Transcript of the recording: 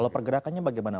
kalau pergerakannya bagaimana